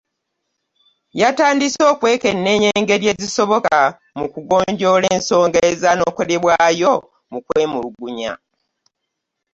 Yatandise okwekenneenya engeri ezisoboka mu kugonjoola ensonga ezanokolebwayo mu kwemulugunya.